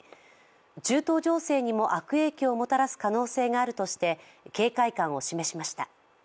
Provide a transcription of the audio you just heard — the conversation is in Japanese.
中東情勢にも悪影響をもたらす可能性があるとして警戒感を示しました。